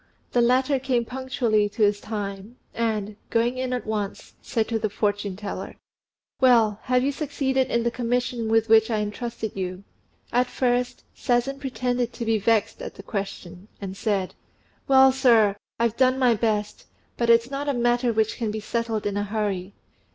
The latter came punctually to his time, and, going in at once, said to the fortune teller, "Well, have you succeeded in the commission with which I entrusted you?" At first Sazen pretended to be vexed at the question, and said, "Well, sir, I've done my best; but it's not a matter which can be settled in a hurry.